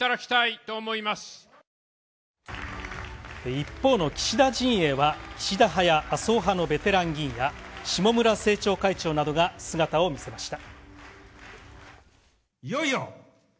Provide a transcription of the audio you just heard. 一方の岸田陣営は、岸田派や麻生派のベテラン議員や下村政調会長などが姿を見せました。